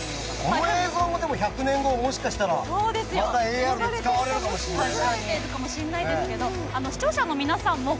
あの映像も１００年後もしかしたらまたＡＲで使われるかもしれないからね。